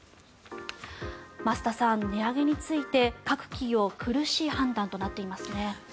増田さん、値上げについて各企業苦しい判断となっています。